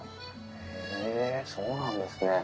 へえそうなんですね。